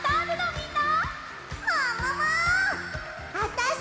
みんな！